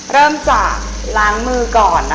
เริ่มจากล้างมือก่อน